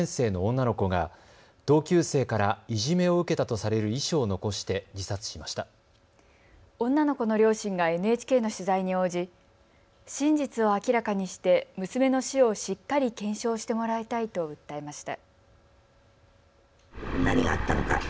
女の子の両親がＮＨＫの取材に応じ真実を明らかにして娘の死をしっかり検証してもらいたいと訴えました。